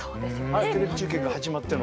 テレビ中継が始まっての。